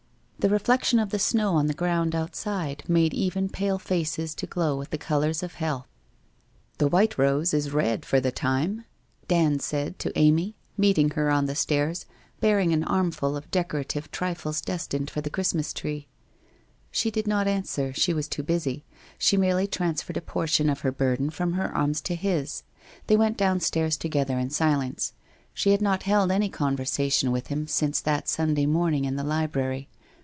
The reflection of the snow on the ground outside made even pale faces to glow with the colours of health. ' The white rose is red for the time !' Dand said to Amy, meeting her on the stairs, bearing an armful of dec orative trifles destined for the Christmas tree. She did not answer; she was too busy. She merely transferred a portion of her burden from her arms to his. They went downstairs together in silence. She had not held any conversation with him since that Sunday morn ing in the library.